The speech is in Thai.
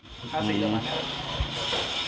๕๐เดี๋ยวนะ